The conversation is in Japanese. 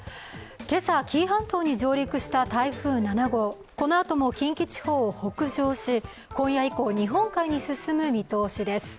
今朝、紀伊半島に上陸した台風７号、このあとも近畿地方を北上し、今夜以降日本海に進む見通しです。